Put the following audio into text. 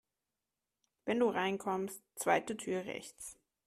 Wenn du reinkommst, zweite Tür rechts.